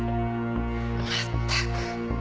まったく。